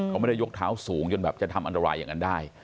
เขาไม่ได้ยกเท้าสูงจนแบบจะทำอันตรายอย่างนั้นได้